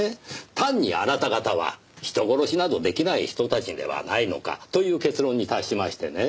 単にあなた方は人殺しなど出来ない人たちではないのかという結論に達しましてね。